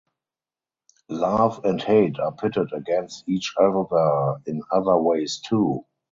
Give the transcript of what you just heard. Love and hate are pitted against each other in other ways too.